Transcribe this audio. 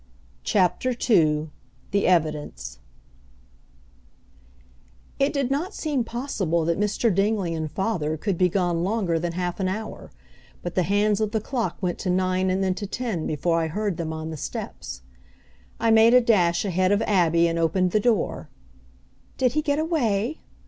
CHAPTER II THE EVIDENCE It did not seem possible that Mr. Dingley and father could be gone longer than half an hour, but the hands of the clock went to nine and then to ten before I heard them on the steps. I made a dash ahead of Abby, and opened the door. "Did he get away?"